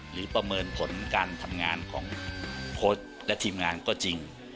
ประเมินผลการทำงานของโค้ชและทีมงานก็จริง